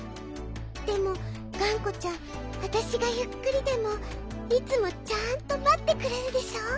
でもがんこちゃんわたしがゆっくりでもいつもちゃんとまってくれるでしょ。